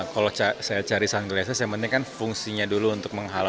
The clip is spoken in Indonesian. kalau saya cari sunrises yang penting kan fungsinya dulu untuk menghalau